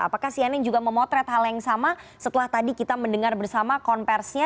apakah cnn juga memotret hal yang sama setelah tadi kita mendengar bersama konversinya